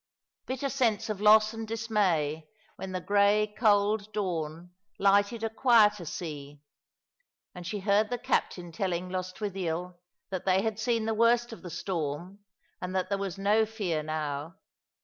Bitter sense of loss and dismay when the grey, cold dawn lighted a quieter sea, and she heard the captain telling Lostwithiel that they had seen the worst of the storm, and that there was no fear now.